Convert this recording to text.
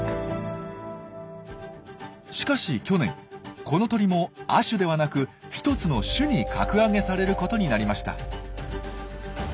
しかし去年この鳥も亜種ではなく一つの種に格上げされることになりました。